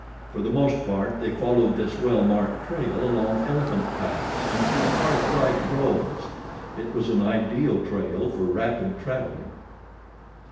For the most part they followed this well marked trail along elephant paths and through park like groves. It was an ideal trail for rapid traveling.